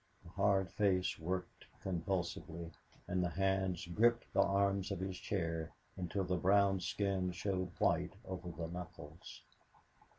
The hard face worked convulsively and the hands gripped the arms of his chair until the brown skin showed white over the knuckles.